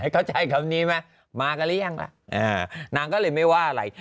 เข้าใจคำนี้ไหมมากันหรือยังล่ะนางก็เลยไม่ว่าอะไร